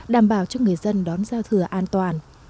đảm bảo cho người dân đón giao thừa an toàn